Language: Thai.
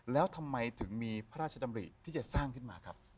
แล้วทำไมถึงมีพระราชดำริที่จะสร้างขึ้นมาครับ